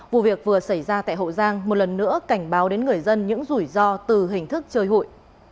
vụ việc vừa xảy ra tại hậu giang một lần nữa cảnh báo đến người dân những rủi ro từ hình thức chơi hụi